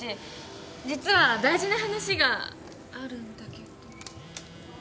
実は大事な話があるんだけど。